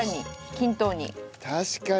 確かに。